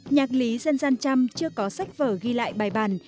nhạc lý dân gian trăm chưa có sách vở ghi lại bài bàn